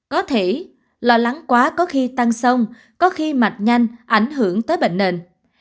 có thể lo lắng quá có khi tăng sông có khi mạch nhanh ảnh hưởng tới bệnh nền